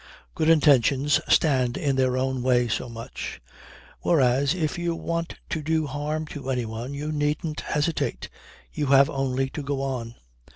Good intentions stand in their own way so much. Whereas if you want to do harm to anyone you needn't hesitate. You have only to go on.